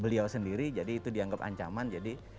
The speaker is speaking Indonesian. beliau sendiri jadi itu dianggap ancaman jadi